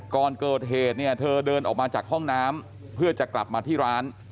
ก่อนเกิดเหตุเนี่ยเธอเดินออกมาจากห้องน้ำเพื่อจะกลับมาที่ร้าน